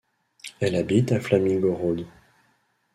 Elle habite à Flamingo Road.